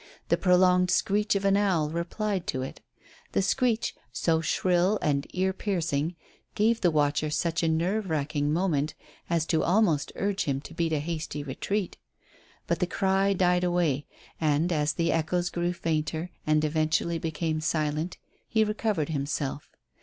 The prolonged screech of an owl replied to it. The screech, so shrill and ear piercing, gave the watcher such a nerve racking moment as to almost urge him to beat a hasty retreat. But the cry died away, and, as the echoes grew fainter and eventually became silent, he recovered himself.